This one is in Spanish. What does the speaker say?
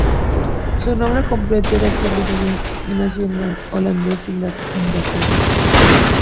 Su nombre completo era Charles Wyndham Standing, y nació en Londres, Inglaterra.